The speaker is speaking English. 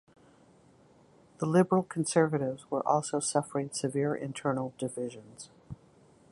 The Liberal-Conservatives were also suffering severe internal divisions.